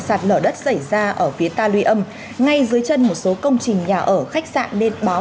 sạt lở đất xảy ra ở phía ta luy âm ngay dưới chân một số công trình nhà ở khách sạn nên báo